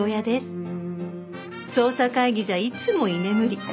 捜査会議じゃいつも居眠り